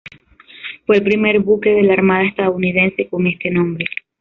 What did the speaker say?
Fue el primer buque de la Armada estadounidense con este nombre.